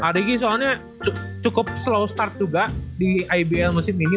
pak rigi soalnya cukup slow start juga di ibl musim ini